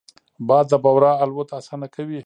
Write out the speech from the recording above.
باد د بورا الوت اسانه کوي